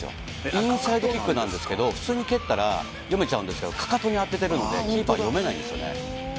インサイドキックになるんですけど、普通に蹴ったら読めちゃうんですけど、かかとに当ててるんでキーパー、読めないんですよね。